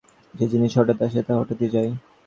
যে-জিনিস হঠাৎ আসে তা হঠাৎই যায়।